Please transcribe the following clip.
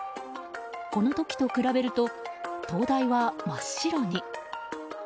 この時と比べると灯台は真っ白に。